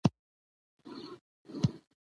د مېلو له برکته خلک د ګډ ژوند مهارتونه زده کوي.